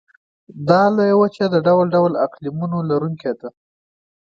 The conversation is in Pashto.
دا لویه وچه د ډول ډول اقلیمونو لرونکې ده.